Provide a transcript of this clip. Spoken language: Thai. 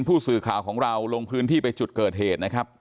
ผู้สื่อข่าวของเราลงพื้นที่ไปจุดเกิดเหตุนะครับ